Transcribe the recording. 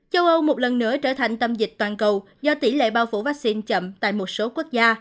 châu âu một lần nữa trở thành tâm dịch toàn cầu do tỷ lệ bao phủ vaccine chậm tại một số quốc gia